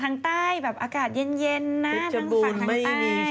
ทางใต้แบบอากาศเย็นนะทางฝั่งทางใต้